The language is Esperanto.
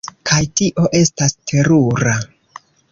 Kaj tio estas terura!